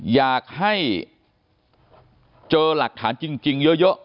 อยากให้เจอหลักฐานจริงเยอะ